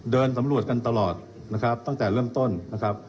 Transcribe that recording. เดินสำรวจกันตลอดนะครับตั้งแต่เริ่มต้นนะครับ